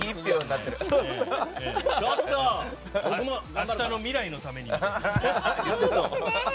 明日の未来のために。